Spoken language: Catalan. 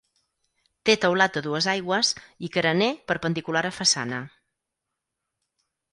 Té teulat a dues aigües i carener perpendicular a façana.